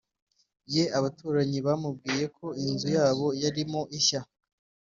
ye Abaturanyi bamubwiye ko inzu yabo yarimo ishya